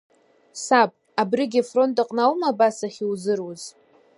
Саб, абригьы афронт аҟны аума абас ахьузыруз?